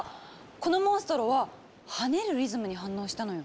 このモンストロは「跳ねるリズム」に反応したのよ。